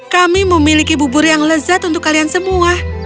kami memiliki bubur yang lezat untuk kalian semua